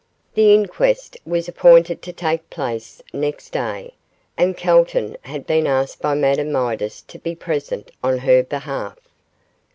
The inquest was appointed to take place next day, and Calton had been asked by Madame Midas to be present on her behalf.